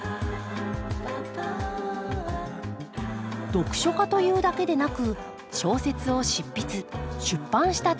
読書家というだけでなく小説を執筆出版した高山さん。